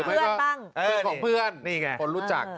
เพื่อนของเพื่อนคนรู้จัก